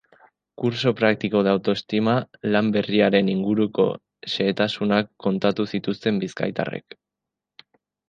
Curso practico de autoestima lan berriaren inguruko xehetasunak kontatu zituzten bizkaitarrek.